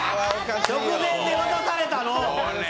直前で渡されたの。